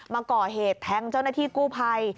มาก่อเหตุแทงเจ้าหน้าที่กู้ภัย